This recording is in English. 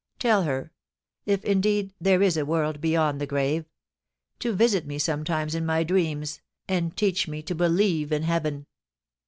Tell her—if, indeed, there is a world beyond the grave — to visit me sometimes in my dreams, and teach me to believe in heaven.'